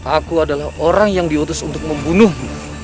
aku adalah orang yang diutus untuk membunuhmu